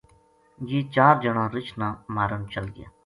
یہ چار جنا رچھ نا مارن چل گیا